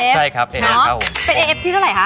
ใช่ครับเอครับเป็นเอเอฟที่เท่าไหร่คะ